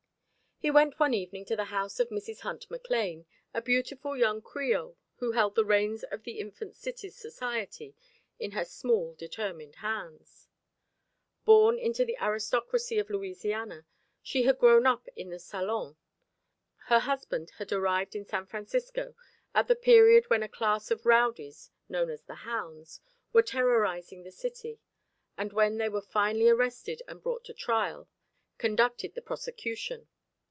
He went one evening to the house of Mrs. Hunt McLane, a beautiful young Creole who held the reins of the infant city's society in her small determined hands. Born into the aristocracy of Louisiana, she had grown up in the salon. Her husband had arrived in San Francisco at the period when a class of rowdies known as "The Hounds" were terrorising the city, and, when they were finally arrested and brought to trial, conducted the prosecution.